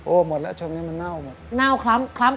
โอ้หมดแล้วครัวนี้มั๋นเง่าหมด